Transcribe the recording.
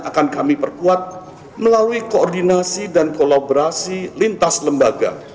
akan kami perkuat melalui koordinasi dan kolaborasi lintas lembaga